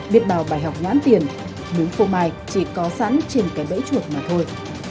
biết bào bài học nhãn tiền miếng phô mai chỉ có sẵn trên cái bẫy chuột mà thôi